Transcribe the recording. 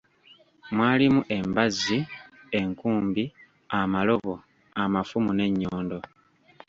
Mwalimu embazzi, enkumbi, amalobo, amafumu, n'ennyondo